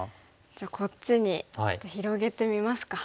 じゃあこっちにちょっと広げてみますか。